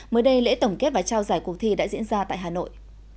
mới đây lễ tổng kết và trao giải cuộc thi đã diễn ra tại hà nội